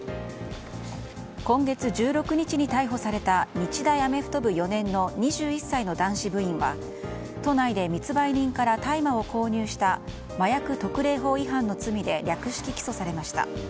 今月１６日に逮捕された日大アメフト部４年の２１歳の男子部員は都内で密売人から大麻を購入した麻薬特例法違反の罪で略式起訴されました。